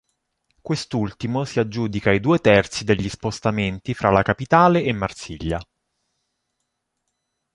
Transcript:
Quest'ultimo si aggiudica i due terzi degli spostamenti fra la capitale e Marsiglia.